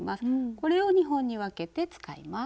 これを２本に分けて使います。